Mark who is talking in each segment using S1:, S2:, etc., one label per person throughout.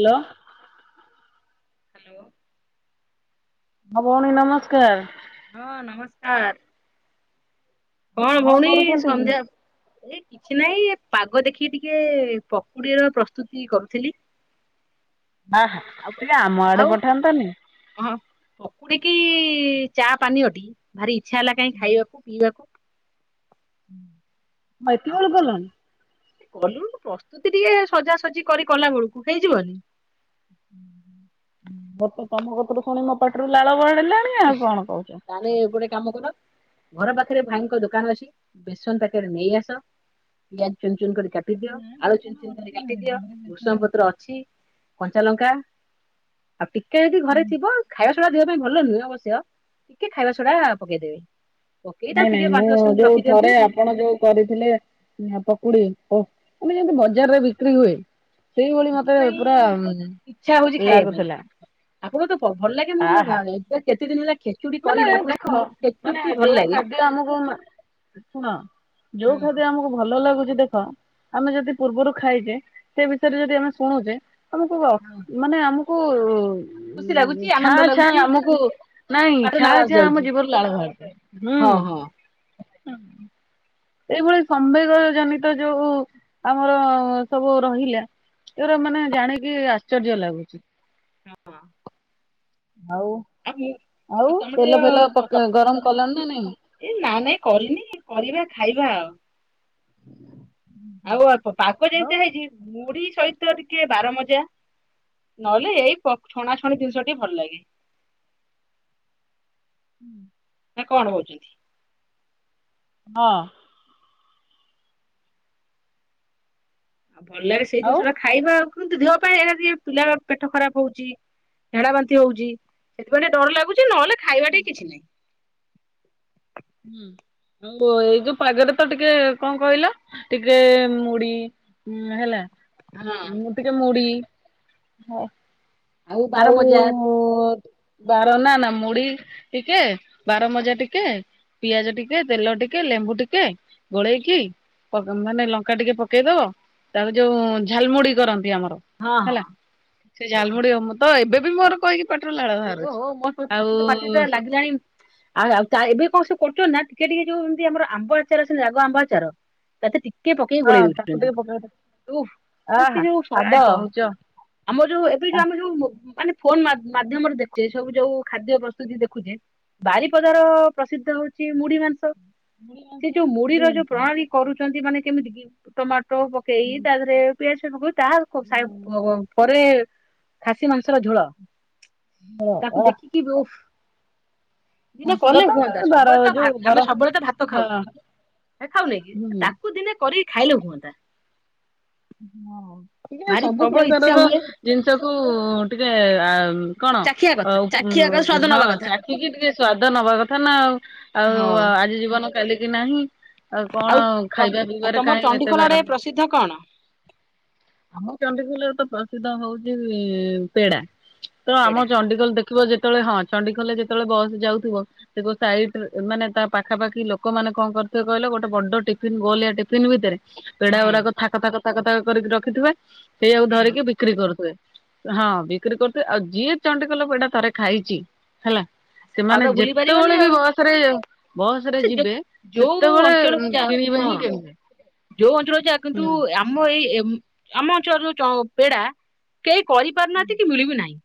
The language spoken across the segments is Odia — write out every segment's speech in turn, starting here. S1: ହାଲୋ
S2: ହ୍ୟାଲୋ
S1: ହଁ ଭଉଣୀ ନମସ୍କାର
S2: ହଁ ନମସ୍କାର କଣ ଭଉଣୀ
S1: କରୁଛନ୍ତି କି?
S2: ସନ୍ଧ୍ୟା ଏ କିଛି ନାଇଁ ପାଗ ଦେଖିକି ଟିକେ ପକୁଡିର ପ୍ରସ୍ତୁତି କରୁଥିଲି
S1: ଆହା
S2: ଆଉ
S1: ଟିକେ ଆମ
S2: ଆଉ
S1: ଆଡେ ପଠାନ୍ତନି
S2: ହଁ ପକୁଡିକି ଚା ପାନୀୟଟି ଭାରି ଇଚ୍ଛା ହେଲା କାହିଁ ଖାଇବାକୁ ପିଇବାକୁ
S1: ହୁଁ
S2: ଆଉ କଲୁ ପ୍ରସ୍ତୁତି ଟିକେ ସଜାସଜି କରି କଲା ବେଳକୁ ହେଇଯିବନି
S1: ହୁଁ ମୋତେ ତମ କଥା ତ ଶୁଣି ମୋ ପାଟିରୁ ଲାଳ ବାହାରିଲା
S2: ଏହେ ତାହେଲେ ଗୋଟେ କାମ କର ଘର ପାଖରେ ଭାଇଙ୍କ ଦୋକାନ ଅଛି ବେସନ ପ୍ୟାକେଟ ନେଇ ଆସ ପିଆଜ ଚୁନ ଚୁନ କରି କାଟ କାଟି ଦିଅ ଆଳୁ ଚିନ ଚିିନ ଧରି କାଟିଦିଅ ବୃଷଙ୍ଗ ପତ୍ର ଅଛି କଞ୍ଚା ଲଙ୍କା। ଆଉ ଟିକେ ଯଦି ଘରେ ଥିବ ଖାଇବା ସଢା ଦେହ ପାଇଁ ଭଲ ନୁହେଁ ଅବଶ୍ୟ ଟିକେ ଖାଇବା ସଢା ପକେଇଦେବେ। ପକେଇ
S1: ନାଇଁ
S2: ତାକୁ
S1: ନାଇଁ
S2: ଟିକେ
S1: ମୁଁ
S2: ପାଞ୍ଚ ଦଶ ମିନିଟ
S1: ଯୋଉ
S2: ରଖିଦିଅନ୍ତୁ।
S1: ଥରେ ଆପଣ ଯୋଉ କରିଥିଲେ ପକୁଡି ଓ ଆମେ ଯେମିତି ବଜାରରେ ବିକ୍ରି ହୁଏ। ସେଇଭଳି ଭାବେ
S2: ସେଥିପାଇଁ
S1: ପୁରା ଲାଗୁଥିଲା।
S2: ଆପଣଙ୍କୁ ତ ଭଲ ଲାଗେ ମୁଁ
S1: ଆହା
S2: ବି କେତେ ଦିନ ହେଲା। ଖେଚୁଡି
S1: ମାନେ
S2: କରିନି
S1: ଦେଖ
S2: ଆପଣ
S1: ମାନେ
S2: ଖେଚୁଡି ଭଲ
S1: ଯୋଉ
S2: ଲାଗେ
S1: ଖାଦ୍ୟ ଆମକୁ। ଶୁଣ ଯୋଉ
S2: ହଁ
S1: ଖାଦ୍ୟ ଆମକୁ ଭଲ ଲାଗୁଛି ଦେଖ। ଆମେ ଯଦି ପୂର୍ବରୁ ଖାଇଲେ ସେ ବିଷୟରେ ଯଦି ଆମେ ଶୁଣୁଛେ ଆମକୁ
S2: ହଁ
S1: ମାନେ ଆମ।
S2: ଖୁସି ଲାଗୁଛି
S1: ଉ ଛାଁ
S2: ଆନନ୍ଦ
S1: ଛାଁ
S2: ଲାଗୁଛି
S1: ଆମକୁ ନାଇଁ।
S2: ପାଟିରେ ଲାଳ
S1: ଛାଁ
S2: ଆସି
S1: ଛାଁ
S2: ଯାଉଛି
S1: ଆମ ଜୀଭରୁ ଲାଳ ବାହାରି ଯାଏ
S2: ହଁ ହଁ
S1: ହୁଁ। ଏଇଭଳି ସମ୍ବେଗ ଜନିତ ଯୋଉ ଆମର ସବୁ ରହିଲା। ଏରା ମାନେ ଜାଣିକି ଆଶ୍ଚର୍ଯ୍ୟ ଲାଗୁଛି। ଆଉ।
S2: ଆହୁଁ।
S1: ଆଉ ତେଲ ଫେଲ ପକ ଗରମ କଲଣି ନା ନାଇଁ।
S2: ଏ ନା ନାଇଁ କରିନି କରିବା ଖାଇବା ଆଉ। ଆଉ ଅଳ୍ପ ପାଗ
S1: ଆଉ
S2: ଯେମିତି ହେଇଛି ମୁଢି ସହିତ ଟିକେ ବାର ମଜା। ନହେଲେ ଏଇ ଛଣାଛଣି ଜିନିଷଟି ଭଲ ଲାଗେ।
S1: ହୁଁ
S2: ନା କଣ ହଉଛନ୍ତି।
S1: ହଁ।
S2: ଭଲ ଲାଗେ ସେଇ
S1: ଆଉ
S2: ଜିନିଷ ଖାଇବା ଆଉ କିନ୍ତୁ ଦେହ ପାଇଁ ଏ ପିଲାର ପେଟ ଖରାପ ହଉଛି। ଝାଡା ବାନ୍ତି ହଉଛି ସେଥିପାଇଁ ଟିକେ ଡର ଲାଗୁଛି ନହେଲେ ଖାଇବା ଟିକ କିଛି ନାହିଁ।
S1: ହୁଁ ଏଇ ଯୋଉ ପାଗରେ ତ ଟିକେ କଣ କହିଲ ଟିକେ ମୁଢି। ହୁଁ ହେଲା
S2: ହଁ
S1: ମୁଁ ଟିକେ ମୁଢି ହ।
S2: ବାର
S1: ଆଉ।
S2: ମଜା
S1: ବାର ନା ନା ମୁଢି ଟିକେ ବାର ମଜା ଟିକେ। ପିଆଜ ଟିକେ ତେଲ ଟିକେ ଲେମ୍ବୁ ଟିକେ ଗୋଳେଇକି। ମାନେ ଲଙ୍କା ଟିକେ ପକେଇଦବ ତାପରେ ଯୋଉ ଝାଲମୁଡି କରନ୍ତି ଆମର।
S2: ହଁ ହଁ।
S1: ହେଲା ସେ ଝାଲମୁଢିହ ମୁଁ ତ ଏବେ ବି ମୋର କହିକି ପେଟ।
S2: ଓହୋ ମୋ ମୋତେ ତ ପାଟି ତ ଲାଗିଲାଣି। ଆଉ ଆଉ ତା ଏବେ କଣ ସେ କରୁଛନ୍ତି ନା ଟିକେ ଟିକେ ଯୋଉ ଯେମତି ଆମର ଆମ୍ବ ଆଚାର ସେ ରାଗ ଆମ୍ବା ଆଚାର। ତାଥିରେ ଟିକେ ପକେଇକି ଗୋଳେଇ
S1: ହଁ ତାକୁ
S2: ଦଉଛନ୍ତି
S1: ଟିକେ ପକେଇ ଆ
S2: ସେ
S1: ହା
S2: ଯୋଉ
S1: କାଇଁ
S2: ସ୍ଵାଦ।
S1: କହୁଛ
S2: ଆମର ଯୋଉ ଏବେ
S1: ଆ
S2: ଯୋଉ ଆମେ ଯୋଉ ମାନେ ଫୋନ୍ ମାଧ୍ୟମରେ ଦେଖୁ। ସେ ସବୁ ଯୋଉ ଖାଦ୍ୟ ପ୍ରସ୍ତୁତି ଦେଖୁଛେ ବାରିପଦାର ପ୍ରସିଦ୍ଧ ହଉଛି ମୁଢି ମାଂସ। ସେ
S1: ମୁଡ଼ିିବାନ
S2: ଯୋଉ ମୁଢିର ଯୋଉ
S1: ମୁନ।
S2: ପ୍ରଣାଳୀ କରୁଛନ୍ତି ମାନେ କେମିତି କି ଟମାଟୋ ପକେଇ ତା ଦେହରେ ପିଆଜ ପକଉଛି। ତାହା ପ ସାଙ୍ଗ ପରେ ଖାସି ମାଂସର ଝୋଳ। ତାକୁ
S1: ଅ
S2: ଦେଖିକି ଯଉ [unintelligible] ଦିନେ
S1: ତାଙ୍କର
S2: କଲେ
S1: ତ ସେ
S2: ହୁଅନ୍ତା
S1: ବାର
S2: ସବୁବେଳେ ତ
S1: ଯୋଉ ବର
S2: ଆମେ ସବୁବେଳେ ଭାତ
S1: ହଁ
S2: ଖାଉଛେ। ନାଁ ଖାଉନି କି
S1: ହୁଁ।
S2: ତାକୁ ଦିନେ କରିକି ଖାଇଲେ ହୁଅନ୍ତା।
S1: ହଁ ଟିକେ
S2: ଭାରି
S1: ସବୁ
S2: ପ୍ରବଳ ଇଚ୍ଛା
S1: ପ୍ରକାରର
S2: ହୁଏ
S1: ଜିନିଷ କୁ ଟିକେ ଆ। କଣ
S2: ଚାଖିବା କଥା
S1: ହଁ
S2: ଚାଖିବା କଥା
S1: [inaudible]
S2: ସ୍ଵାଦ ନବା କଥା
S1: ଟିକେ ଟିକେ ସ୍ଵାଦ ନବା କଥା ନା ଆଉ ଆଉ
S2: ହଁ
S1: ଆଜି ଜୀବନ କାଲିକି ନାହିଁ। ଆଉ କଣ ଖାଇବା ପିଇାରେ କାହିଁ ଏତେ ବାରନ୍ତି।
S2: ସିଦ୍ଧ କଣ।
S1: ଆମ ଚଡିଖୋଲରେ ତ ପ୍ରସିଦ୍ଧ ହଉଛି ପେଡା ତ
S2: ପେଡା
S1: ଆମ ଚଡିଖୋଲ ଦେଖ ଥିବ ଯେତେବେଳେ ହଁ ଚଣ୍ଡିଖୋଲେ ଯେତେବେଳେ ବସ୍ ଯାଉଥିବ ସେ ସାଇଡ ମାନେ ତା ପାଖାପାଖି ଲୋକମାନୋନେ କଣ କରିଥିବେ କହିଲ ଗୋଟେ ବଡ ଟିଫିନ ଗହଲିଆ ଟିଫିନ ଭିତରେ ପେଡା
S2: ହଁ
S1: ଗୁଡାକ ଥାକ ଥାକ ଥାକଥାକ କରିକି ରଖିଥିବା ସେଇଆକୁ
S2: ହଁ
S1: ଧରିକି ବି ବିକ୍ରି କରୁଥିବେ ହଁ ବିକ୍ରି କରୁଥେ ଆଉ ଯିଏ ଚଣ୍ଡିଖୋଲ ପେଡା ଥରେ ଖାଇଛି ହେଲା
S2: ସେ
S1: ସେମାନେ
S2: ସ୍ୱାଦ ଭୁଲି ପାରିବନି
S1: ଯେତେବେଳେ ବି
S2: ଆଉ
S1: ବସ ରେ ବସ ରେ
S2: ସେ ଯେ
S1: ଯିବେ
S2: ଯୋଉ
S1: ସେତେବେଳେ
S2: ଅଞ୍ଚଳକୁ ଯାଅ
S1: କିଣିବେ
S2: ହଁ
S1: ହିଁ କିଣି ହୁଁ
S2: ଯୋଉ ଅଞ୍ଚଳ ଯା କିନ୍ତୁ ଆମ ଏଇ ଆମ ଅଞ୍ଚଳ ଚ ପେଡା କେଇ କରିପାରୁନାହାନ୍ତି କି ମିଳିବି ନାହିଁ।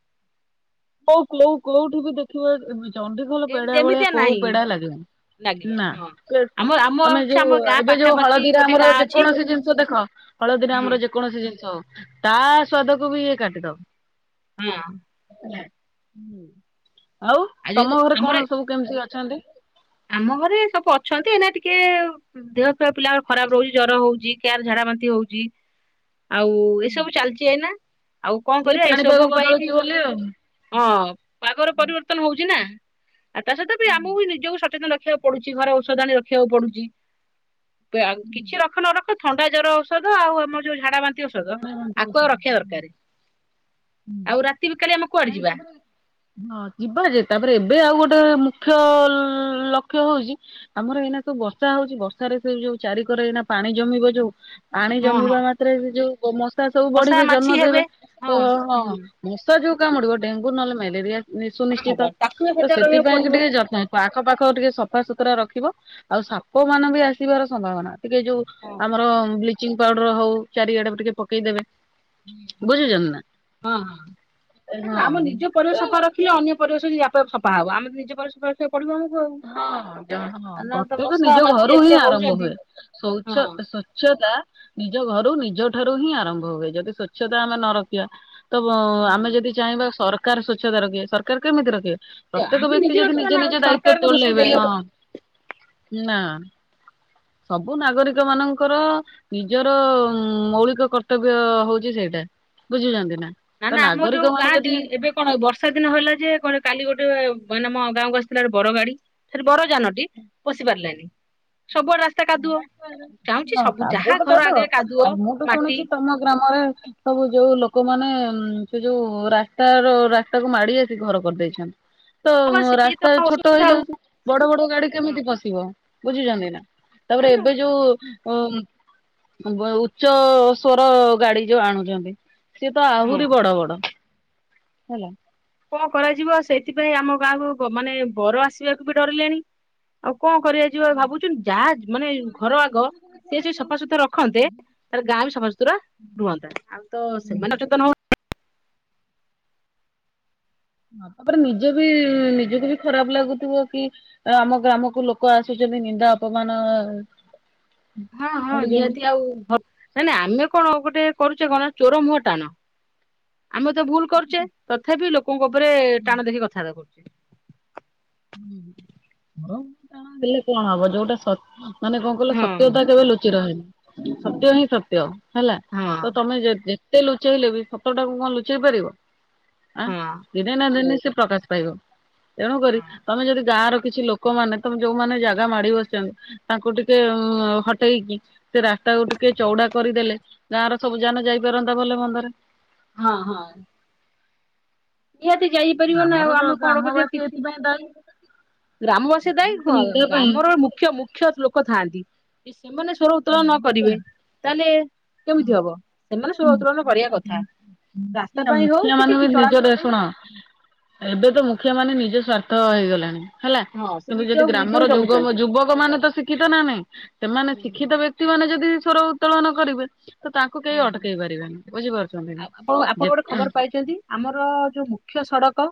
S1: କୋଉ କୋଉ କୋଉଠି ବି ଦେଖିବ ଚଣ୍ଡିଖୋଲ ପେଡା
S2: ଏମତି
S1: ଭଳିଆ
S2: ଏମିତିଆ
S1: କୋଉ
S2: ନାହିଁ
S1: ପେଡା ଲାଗେ
S2: ଲାଗିବନି
S1: ନା।
S2: ହଁ।
S1: ନା
S2: ଆମର ଆମ
S1: ତମେ
S2: ଅଛି ଆମ
S1: ଯୋଉ
S2: ଗାଁ
S1: ଏବେ ଯୋଉ
S2: ପାଖାପାଖି
S1: ହଳଦୀର
S2: ଗୋଟେ
S1: ଆମର
S2: ଗାଁ ଅଛି
S1: ଯେକୌଣସି ଜିନିଷ ଦେଖ ହଳଦୀରେ
S2: ହଁ
S1: ଆମର ଯେକୌଣସି ଜିନିଷ ହଉ ତା ସ୍ଵାଦକୁ ବି ଇଏ କାଟିଦବ।
S2: ହଁ।
S1: ଆଉ
S2: ଯଦି
S1: ତମ ଘରେ
S2: ଆମର
S1: କଣ ସବୁ କେମିତି ଅଛନ୍ତି।
S2: ଆମ ଘରେ ସବୁ ଅଛନ୍ତି ଏ ନା ଟିକେ ଦେହ ଫେୟ ପିଲା ର ଖରାପ ରହୁଛି ଜର ହଉଛି କ୍ୟାର ଝାଡା ଵାନ୍ତି ହଉଛି। ଆଉ ଏସବୁ ଚାଲିଛି ଏଇନା ଆଉ କଣ
S1: ଏ
S2: କରିବା
S1: ପାଣିପାଗ
S2: ଏସବୁ ପାଇଁବି
S1: ବଦଳୁଛି ବୋଲି ଆଉ।
S2: ହଁ ପାଗର ପରିବର୍ତ୍ତନ ହଉଛି ନା। ଆଉ ତା ସହିତ ବି ଆମକୁ ନିଜକୁ ସଚେତନ ରଖିବାକୁ ପଡୁଛି ଘରେ ଔଷଧ ଆଣି ରଖିବାକୁ ପଡୁଛି। ବି କିଛି ରଖ ନ ରଖ ଥଣ୍ଡା ଜର ଔଷଧ ଆଉ ଆମ ଯୋଉ ଝାଡା ବାନ୍ତି ତିି ଔଷଧ ଆକୁ ଆଉ ରଖିବା ଦରକାରେ ଆଉ ରାତି ବିକାଳୀ ଆମେ କୁଆଡେ ଯିବା।
S1: ହଁ ଯିବା ଯେ ତାପରେ ଏବେ ଆଉ ଗୋଟେ ମୁଖ୍ୟ ଲକ୍ଷ୍ୟ ହଉଛି ଆମର ଏଇନା ସବୁ ବର୍ଷା ହଉଛି ବର୍ଷାରେ ସେ ଯୋଉ ଚାରିିକର ଏଇନା ପାଣି ଜମିବ ଯୋଉ ପାଣି
S2: ହଁ ହଁ
S1: ଜମିବା ମାତ୍ରେ ଯୋଉ ମଶା ସବୁ
S2: ମଶା
S1: ବଢିବେ
S2: ମାଛି
S1: ଜନ୍ମ
S2: ହେବେ
S1: ଦେବେ
S2: ହଁ
S1: ତ
S2: ହୁଁ
S1: ହଁ ମଶା ଯୋଉ କାମୁଡିବ ଡେଙ୍ଗୁ ନହେଲେ ମ୍ୟାଲେରିଆ ନିଶୁ
S2: ହଁ, ହବ
S1: ନିଶ୍ଚିତ
S2: ତାକୁ ବି
S1: ତ
S2: ସଜାଗ ରହିବାକୁ
S1: ସେଥିପାଇଁ
S2: ପଡିବ
S1: ଟିକେ ଯତ୍ନ ଆଖ ପାଖ ଟିକେ ସଫା ସୁତୁରା ରଖିଵା ଆଉ ସାପ ମାନ ବି ଆସିବାର ସମ୍ଭାବନା। ଟିକେ ଯୋଉ
S2: ହଁ
S1: ଆମର ବ୍ଲିଚିଂ ପାଉଡର ହଉ ଚାରିଆଡେ ଟିକେ ପକେଇ ଦେବେ।
S2: ହଁ ହଁ ଆମ ନିଜ ପରିବେସ ସଫା ରଖିଲେ ଅନ୍ୟ ପରେଶବି ଆପେ ଆପେ ସଫା ହବ ଆମେ ନିଜ ପରିଶ
S1: ହଁ ହଁ
S2: ଆଉ ନହେଲେ ତ
S1: ପ୍ରତ୍ୟେକ
S2: ମଶା
S1: ନିଜ
S2: ମାଛି
S1: ଘରୁ ହିଁ
S2: ଏତେ
S1: ଆରମ୍ଭ
S2: ହଉଛନ୍ତି
S1: ହୁଏ। ସୌଉଛ
S2: ହଁ
S1: ସୋଚ୍ଛତା ନିଜ ଘରୁ ନିଜ ଠାରୁ ହିଁ ଆରମ୍ଭ ହୁଏ ଯଦି ସ୍ଵଚ୍ଛତା ଆମେ ନ ରଖିବା ତ ଵ
S2: ହଁ।
S1: ଆମେ ଯଦି ଚାହିଁବା ସରକାର ସ୍ଵଚ୍ଛତା ରଖିବେ ସରକାର କେମିତି ରଖିବେ ପ୍ରତ୍ୟେକ
S2: ଆମେ
S1: ବ୍ୟକ୍ତି ଯଦି
S2: ରଖିବା
S1: ନିଜେ
S2: ନା ଆଉ
S1: ନିଜ ଦାୟିତ୍ଵ
S2: ସରକାରଙ୍କୁ ଦୋଷ
S1: ତୋଲେବେ ହଁ
S2: ଦେଇହବନି।
S1: ନା ସବୁ ନାଗରିକ ମାନଙ୍କର ନିଜର ମୌଳିକ କର୍ତ୍ତବ୍ୟ ହଉଛି ସେଇଟା ବୁଝୁଛନ୍ତି ନା
S2: ନା
S1: ତ
S2: ନା ଆମ
S1: ନାଗରିକ
S2: ଯୋଉ
S1: ମାନେ
S2: ଗାଁ ଟି
S1: ଯଦି
S2: ଏବେ କଣ ବର୍ଷା ଦିନ ହେଲା ଯେ କଣ କାଲି ଗୋଟେ ମାନେ ଆମ ଗାଁକୁ ଆସିଥିଲା ଗୋଟେ ବଡ ଗାଡି। ସେ ଟି ବର ଯାନଟି ପଶି ପାରିଲୋନି ସବୁଆଡେ କାଦୁଅ। ଚାହୁଁଛି
S1: ହଁ
S2: ସବୁ
S1: କାଦୁଅ
S2: ଯାହା
S1: ତ
S2: ଘର
S1: କାଦୁଅ
S2: ଆଗରେ
S1: ଆଉ ମୁଁ ତୁ
S2: ମାଟି
S1: ଶୁଣିଛି ତମ ଗ୍ରାମରେ ସବୁ ଯୋଉ ଲୋକମାନେ ସେ ଯୋଉ ରାସ୍ତାର ରାସ୍ତା କୁ ମାଡି ଆସିିକ ଘର କରିଦେଇଛନ୍ତି। ତ
S2: ହଁ ସିଏ ତ
S1: ରାସ୍ତା ଛୋଟ
S2: ଅସୁବିଧା ଆଉ।
S1: ହେଇଯାଉଛି। ବଡ ବଡ ଗାଡି କେମିତି ପଶିବ ବୁଝିଛନ୍ତି ନା ତାପରେ ଏବେ ଯୋଉ ଉଚ୍ଚ ସ୍ୱର ଗାଡି ଯୋଉ ଆଣୁଛନ୍ତି। ସେଏ ତ ଆହୁରି
S2: ହଁ
S1: ବଡ ବଡ।
S2: କଣ କରାଯିବ, ସେଇଥିପାଇଁ ଆମ ଗାଁକୁ ମାନେ ବର ଆସିବାକୁ ବି ଡରିଲେଣି। ଆଉ କଣ କରିବା ଯିବ ଭାବୁଛୁ, ଯାହା ମାନେ ଘର ଆଗ ସିଏ ସ ସଫାସୁତୁରା ରଖନ୍ତେ ତାହେଲେ ଗାଁ ବି ସଫା ସୁତୁରା ରୁହନ୍ତା। ଆଉ ତ ସେମାନେ ସଚେତନ ହ
S1: ହଁ ତାପରେ ନିଜ ବି, ନିଜକୁ ବି ଖରାପ ଲାଗୁଥିବ କି? ଆମ ଗ୍ରାମକୁ ଲୋକ ଆସୁଛନ୍ତି ନିନ୍ଦା ଅପମାନ
S2: ହଁ ହଁ
S1: ହଉଛନ୍ତି।
S2: ନିହାତି ଆଉ, ନାଇଁ ନାଇଁ ଆମେ କଣ ଗୋଟେ କରୁଛେ କଣ ଚୋର ମୁହଁ ଟାଣ। ଆମେ ତ ଭୁଲ କରୁଛେ, ତଥାପି ଲୋକଙ୍କ ଉପରେ ଟାଣ ଦେଖି କଥାବାର୍ତ୍ତା କରୁଛେ।
S1: ର ଟଣ ହେଲେ କଣ ହବ, ଯୋଉଟା ସତ୍ ମାନେ କଣ କଲେ
S2: ହଁ
S1: ସତ୍ୟତା କେବେ ଲୁଚ ହ ସତ୍ୟ ହିଁ ସତ୍ୟ, ହେଲା
S2: ହଁ
S1: ତ ତମେ କେତେ ଲୁଚେଇଲେ ବି ସତଟାକୁ କଣ ଲୁଚେଇ ପାରିବ। ଆଁ
S2: ହଁ।
S1: ଦିନେ ନା ଦିନେ ସେ ପ୍ରକାଶ ପାଇବ। ତେଣୁ କରି ଗାଁ ର କିଛି ଲୋକମାନେ ତମେ ଯୋଉମାନେ ଜାଗା ମାଡି ବସିଛନ୍ତି ତାଙ୍କୁ ଟିକେ ଉ ହଟେଇକି ସେ ରାସ୍ତାକୁ ଟିକେ ଚଉଡା କରିଦେଲେ ଗାଁ ର ସବୁ ଯାନ ଯାଇପାରନ୍ତା ଭଲ ମନ୍ଦରେ।
S2: ହଁ ହଁ ନିହାତି ଯାଇପାରିବ ନା
S1: ଆମର
S2: ଆଉ ଆମେ କଣ କରି
S1: ଗ୍ରାମବାସୀ
S2: କିଛି
S1: ଏଥିପାଇଁ ଦାୟୀ
S2: ଗ୍ରାମବାସୀ ଦାୟୀ କଣ?
S1: ନିନ୍ଦା ପାଇଁ
S2: ଗ୍ରାମର ମୁଖ୍ୟ ମୁଖ୍ୟ ଲୋକ ଥାଆନ୍ତି। ସେମାନେ ସ୍ୱର ଉତ୍ତୋଳନ ନ କରିବେ ତାହେଲେ କେମିତି ହବ? ସେମାନେ ସ୍ୱରଉତ୍ତୋଳନ କରିବା କଥା। ରାସ୍ତା
S1: ମୁଖିଆ
S2: ପାଇଁ ହଉ
S1: ମୁଖିଆ
S2: କିଛି
S1: ମାନ ବି ନିଜ
S2: ଚଳାଚଳ
S1: ଦେ
S2: ପାଇଁ
S1: ଶୁଣ ଏବେ ତ ମୁଖିଆ ମାନେ ନିଜ ସ୍ଵାର୍ଥ ହେଇଗଲାଣି। ହେଲା
S2: ହଁ ସେ
S1: କିନ୍ତୁ
S2: ନିଜ
S1: ଯଦି ଗ୍ରାମର
S2: ନିଜକୁ
S1: ଯୁବ
S2: ଜଗୁଛନ୍ତି।
S1: ଯୁବକ ମାନେ ତ ଶିକ୍ଷିତ ନା ନାହିଁ ସେମାନେ
S2: ହୁଁ ହୁଁ
S1: ଶିକ୍ଷିତ ବ୍ୟକ୍ତି ମାନେ ଯଦି ସ୍ୱର ଉତ୍ତୋଳନ କରିବେ ତ ତାଙ୍କୁ କେହି
S2: ହଁ।
S1: ଅଟକେଇ ପାରିବାନି ବୁଝିପାରୁଛନ୍ତି। ନା
S2: ଆପଣ ଆପଣ
S1: ଯେ
S2: ଗୋଟେ ଖବର ପାଇଛନ୍ତି ଆମର ଯୋଉ ମୁଖ୍ୟ ସଡ଼କ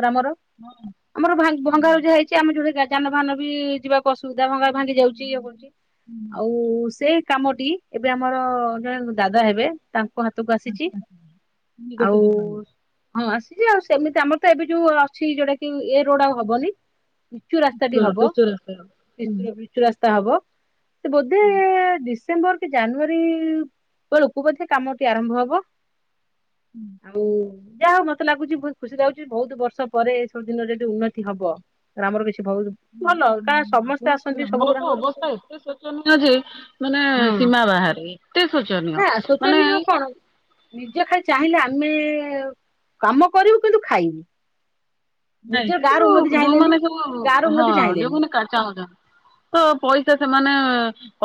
S2: ଗ୍ରାମର ଆମର ଭାଙ୍ଗ୍ ଭଙ୍ଗାରୁ ହେଇଛି ଆମେ ଯୋଟ ଯାନବାହାନ ବି ଯିବାକୁ ଅସୁବିଧା ଭଙ୍ଗା ଭାଙ୍ଗି ଯାଉଛି ଇଏ କରୁଛି ଆଉ ସେ କାମଟି ଏବେ ଆମର ଜଣେ ଦାଦା ହେବେ ତାଙ୍କ ହାତକୁ ଆସିଛି। ଆଉ ହଁ ଆସିଛି ଆଉ ସେମିତି ଆମର ତ ଏବେ ଯୋଉ ଅଛି ଯୋଉଟା କି ଏ ରୋଡ ଆଉ ହବନି। ପିଚୁ ରାସ୍ତାଟି ହବ ପିଚୁ ରାସ୍ତା ହବ ସେ
S1: ହୁଁ
S2: ଡିସେମ୍ବର କି ଜାନୁଆରୀ ବେଳକୁ ବୋଧେ କାମଟି ଆରମ୍ଭ ହବ। ଆଉ ଯା ମତେ ଲାଗୁଛି ଖୁସି ଲାଗୁଛି ବହୁତ ବର୍ଷ ପରେ ଏ ସବୁ ଦିନ ଯଦି ଉନ୍ନତି ହବ ଆମର କିଛି ବହୁତ ଭଲ କା
S1: ଆପଣଙ୍କ ଗ୍ରାମର ତ ଅବସ୍ଥା ଏତେ ଶୋଚନୀୟ ଯେ ମାନେ
S2: ହଁ
S1: ସୀମା ବାହାରେ। ଏତେ ଶୋଚନୀୟ ମାନେ
S2: ନିଜ ଖାଇ ଚାହିଁଲେ ଆମେ କାମ କରିବୁ କିନ୍ତୁ ଖାଇବୁ।
S1: ନାଇଁ
S2: ନିଜର
S1: ସେ
S2: ଗାଁର ଉନ୍ନତି
S1: ଯୋଉ
S2: ଚାହିଁଲେନି
S1: ଯୋଉମାନେ ସବୁ
S2: ଗାଁର
S1: ହଁ
S2: ଉନ୍ନତି ଚାହିଁଲେନି
S1: ଯୋଉମାନେ ଚାହୁଁଛନ୍ତି। ତ ପଇସା ସେମାନେ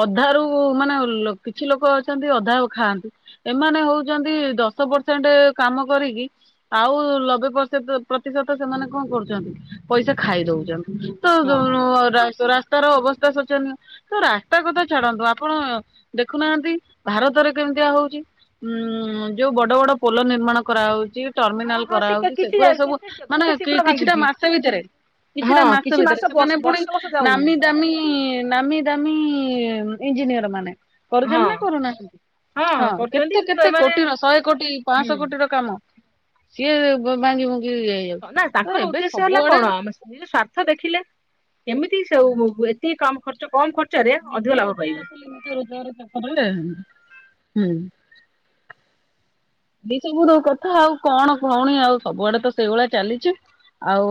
S1: ଅଧାରୁୁ ମାନେ କିଛି ଲୋକ ଅଛନ୍ତି ଅଧା ଆଉ ଖାଆନ୍ତି। ଏମାନେ ହଉଛନ୍ତି ଦଶ ପରସେଣ୍ଟ କାମ କରିକି ଆଉ ନବେ ପରେ ପ୍ରତିଶତ ତ ସେମାନେ କଣ କରୁଛନ୍ତି? ପଇସା ଖାଇ ଦଉଛନ୍ତି ତ
S2: ହଁ ହଁ
S1: ତାର ଅବସ୍ଥା ଶୋଚନୀୟ। ତ ରାସ୍ତା କଥା ଛାଡନ୍ତୁ ଆପଣ ଦେଖୁନାହାନ୍ତି ଭାରତରେ କେମିତିଆ ହଉଛି। ଉଁ ଯୋଉ ବଡ ବଡ ପୋଲ ନିର୍ମାଣ କରାହଉଛି
S2: ହଁ
S1: ଟର୍ମିନାଲ
S2: ହଁ ସେ
S1: କରାହଉଛି
S2: କିଛି
S1: ସେଗାରା ସବୁ।
S2: କେତେ
S1: ମାନେ
S2: କେତେ ଶୀଘ୍ର
S1: କିଛିଟା
S2: ଭାଙ୍ଗୁଛି
S1: ମାସ ଭିତରେ କିଛିଟା
S2: ହଁ
S1: ମାସ
S2: କିଛି
S1: ଭିତରେ
S2: ବର୍ଷ
S1: ସେମାନେ ପୁଣି
S2: ବର୍ଷ ଯାଉନି
S1: ନାମି
S2: ହଁ
S1: ଦାମୀ। ନାମୀ ଦାମୀ ଇଞ୍ଜିନିୟର ମାନେ
S2: ହଁ
S1: କରୁଛନ୍ତି ନା କରୁନାହାନ୍ତି। ହଁ
S2: କରୁଛନ୍ତି
S1: କେତେ
S2: କିନ୍ତୁ
S1: କେତେ
S2: ଏମାନେ
S1: କୋଟିର ଶହେ କୋଟି
S2: ହୁଁ
S1: ପାଞ୍ଚଶହ କୋଟି ର କାମ। କିଏ ଭାଙ୍ଗି ଭଙ୍ଗିକି ଯାଇ
S2: ନା ତାଙ୍କର ଉଦ୍ଦେଶ୍ୟ ହେଲା କଣ ଆମେ ନିଜ ସ୍ୱାର୍ଥ ଦେଖିଲେ କେମିତି ସବୁ ଏତିକି ଖର୍ଚ୍ଚ କମ ଖର୍ଚ୍ଚ ଚ
S1: ନିଜେ
S2: ଅଧିକ ଲାଭ
S1: ରୋଜଗାର
S2: ପାଇବୁ।
S1: ଖାଲି ନିଜେ ରୋଜଗାର ହୁଁ ଏ ସବୁ ଦୋଉ କଥା ଆଉ କଣ ଭଉଣୀ ଆଉ ସବୁଆଡେ ତ ସେଇଭଳିଆ ଚାଲିଛି। ଆଉ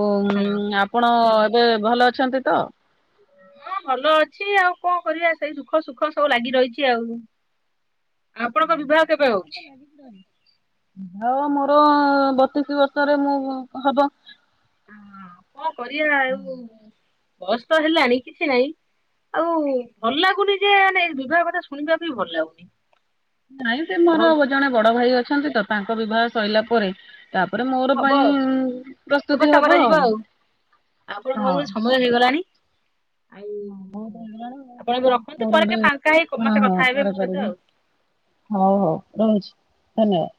S1: ଆପଣ ଏବେ ଭଲ ଅଛନ୍ତି ତ।
S2: ହଁ ଭଲ ଅଛି ଆଉ କଣ କରିବା ସେଇ ସୁଖ ସୁଖ ସବୁ ଲାଗି ରହିଛି ଆଉ। ଆପଣଙ୍କ ବିବାହ କେବେ ହଉଛି?
S1: ହ ମୋର ବତିଶ ବର୍ଷରେ ମୁଁ ହବ।
S2: ହ କଣ କରିବା ଆଉ ବସ୍ ତ ହେଲାଣି କିଛି ନାଇଁ ଆଉ ଭଲ ଲାଗୁନି ଯେ ମାନେ ବିବାହ କଥା ଶୁଣିବାକୁ ବି ଭଲ ଲାଗୁନି।
S1: ନାଇଁ ସେ ମୋର
S2: ହଉ
S1: ଜଣେ ବଡ ଭାଇ ଅଛନ୍ତି ତ ତାଙ୍କ ବିବାହ ସଇଲା ପରେ ତାପରେ ମୋର
S2: ହବ
S1: ପାଇଁ
S2: ଆଉ
S1: ପ୍ରସ୍ତୁତି
S2: ବ୍ୟବସ୍ଥା
S1: ହବ
S2: କରାଯିବ
S1: ଆଉ ହଁ।
S2: ମର ହେଇଗଲାଣି। ଆଉ
S1: ହ ଯର
S2: ଆପଣ ଏବେ ରଖନ୍ତୁ
S1: ହ
S2: ପରେ କେବେ ଫାଙ୍କା
S1: ହଁ
S2: ହେଇ ମତେ କଥା
S1: ପରା
S2: ହେବେ ମୋ ସହିତ ଆଉ।
S1: କ [unintelligible] ହଉ ହଉ ରହୁଛି ଧନ୍ୟବାଦ।